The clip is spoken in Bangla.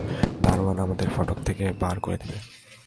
দরোয়ান আমাদের ফটক থেকে বার করে দেবে।